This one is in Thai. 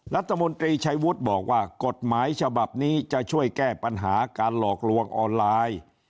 รัฐมนตรีชัยวุฒิบอกว่ากฎหมายฉบับนี้จะช่วยแก้ปัญหาการหลอกลวงออนไลน์